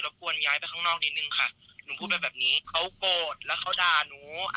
กวนย้ายไปข้างนอกนิดนึงค่ะหนูพูดไปแบบนี้เขาโกรธแล้วเขาด่าหนู